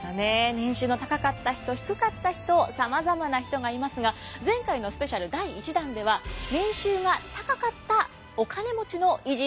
年収の高かった人低かった人さまざまな人がいますが前回のスペシャル第１弾では「年収が高かったお金持ちの偉人